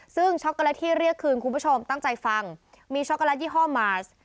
ซึ่งช็อกโกแลตที่เรียกคืนคุณผู้ชมตั้งใจฟังมีช็อกโกแลตยี่ห้อมาส